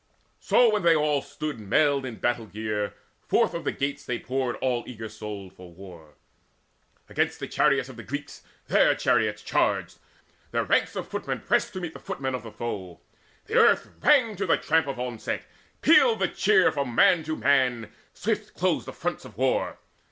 So when they all stood mailed in battle gear, Forth of the gates they poured all eager souled For war. Against the chariots of the Greeks Their chariots charged; their ranks of footmen pressed To meet the footmen of the foe. The earth Rang to the tramp of onset; pealed the cheer From man to man; swift closed the fronts of war.